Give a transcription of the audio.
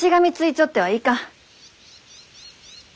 ちょってはいかん。